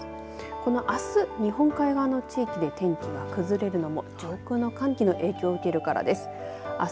このあす、日本海側の地域で天気が崩れるのも上空の寒気の影響を受けるからです。